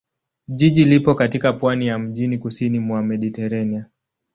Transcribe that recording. Jiji lipo katika pwani ya mjini kusini mwa Mediteranea.